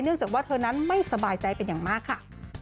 จากว่าเธอนั้นไม่สบายใจเป็นอย่างมากค่ะ